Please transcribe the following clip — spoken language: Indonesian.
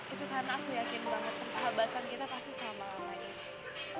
itu karena aku yakin banget persahabatan kita pasti selama lamanya